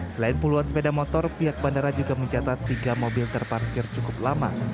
selain puluhan sepeda motor pihak bandara juga mencatat tiga mobil terparkir cukup lama